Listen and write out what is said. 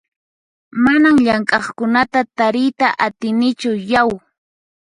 Manan llamk'aqkunata tariyta atinichu yau!